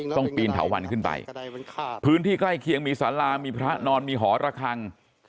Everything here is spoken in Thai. ปีนเถาวันขึ้นไปพื้นที่ใกล้เคียงมีสารามีพระนอนมีหอระคัง